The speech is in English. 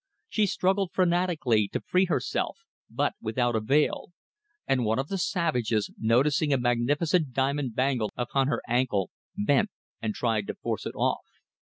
She struggled frantically to free herself, but without avail, and one of the savages, noticing a magnificent diamond bangle upon her ankle, bent, and tried to force it off.